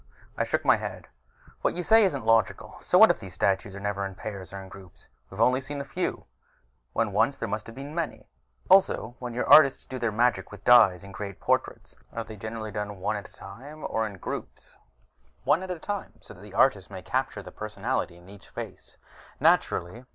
I shook my head. "What you say isn't logical. So what if the statues are never in pairs or groups? We've only seen a few, when once there must have been many. Also, when your artists do their magic with dyes and create portraits, are they generally done one at a time or in groups?" "One at a time, so the artist may capture the personality in each face, naturally.